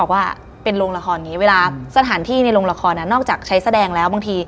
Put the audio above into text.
มันเป็นคนเห็นผีเลยไหม